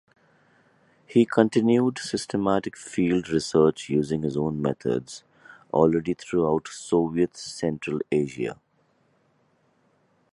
He continued systematic field research using his own methods already throughout Soviet Central Asia.